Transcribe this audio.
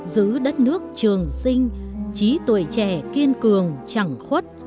giữ đất nước trường sinh trí tuổi trẻ kiên cường chẳng khuất